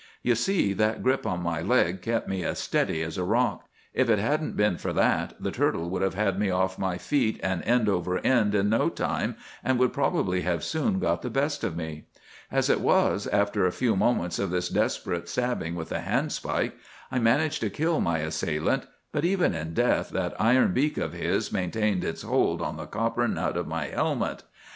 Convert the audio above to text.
You see, that grip on my leg kept me as steady as a rock. If it hadn't been for that, the turtle would have had me off my feet and end over end in no time, and would probably have soon got the best of me. As it was, after a few moments of this desperate stabbing with the handspike, I managed to kill my assailant; but even in death that iron beak of his maintained its hold on the copper nut of my helmet.